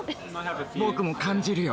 僕も感じるよ。